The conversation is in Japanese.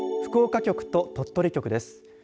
福岡局と鳥取局です。